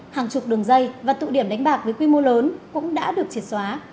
hàng chục đường dây và tụ điểm đánh bạc với quy mô lớn cũng đã được triệt xóa